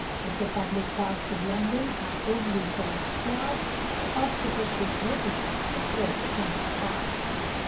If the public parks of London Are only for one class, They ought to put this notice up: The poor they cannot pass.